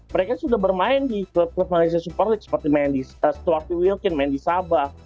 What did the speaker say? mereka sudah bermain di klub klub malaysia super league seperti main di stoarthy wilkin main di sabah